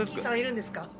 さんいるんですか？